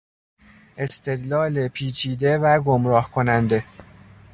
استدلال پیچیده و گمراه کننده